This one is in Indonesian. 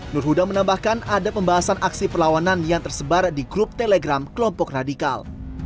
nur huda menambahkan ada pembahasan aksi perlawanan yang tersebar di grup telegram kelompok radikal